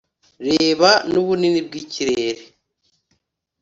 reba! nubunini bwikirere,